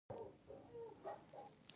ټاپو د اوبو په منځ کې وچه ده.